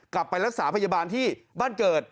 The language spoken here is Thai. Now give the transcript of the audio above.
กลับไปรักษาพยาบาลที่บ้านเกิด